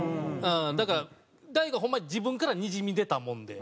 だから大悟ホンマに自分からにじみ出たもので。